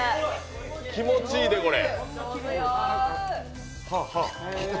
気持ちいいで、これ。